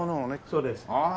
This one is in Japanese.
そうです。